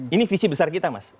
ini visi besar kita mas